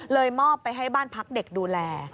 มอบไปให้บ้านพักเด็กดูแล